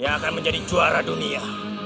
yang akan menjadi juara dunia